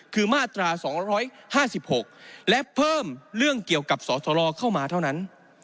คือมาตรา๒๕๖และเพิ่มเรื่องเกี่ยวกับสสลเข้ามาเท่านั้น